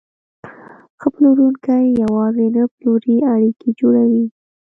ښه پلورونکی یوازې نه پلوري، اړیکې جوړوي.